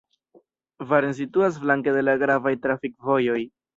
Varen situas flanke de la gravaj trafikvojoj.